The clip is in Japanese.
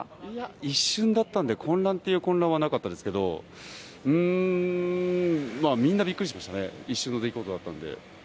一瞬だったんで、混乱という混乱はなかったんですけどみんなびっくりしましたね、一瞬の出来事だったんで。